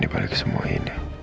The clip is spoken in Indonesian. di balik semua ini